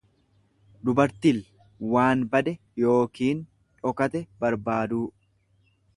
dubartil waan bade yookiin dhokate barbaaddu.